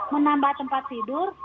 menambah tempat tidur